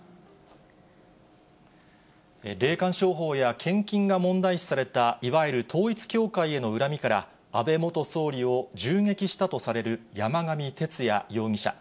霊感商法や献金が問題視された、いわゆる統一教会への恨みから安倍元総理を銃撃したとされる山上徹也容疑者。